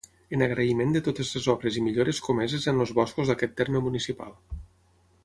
En agraïment de totes les obres i millores comeses en els boscos d'aquest terme municipal.